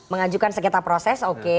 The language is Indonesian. mengajukan sengketa proses oke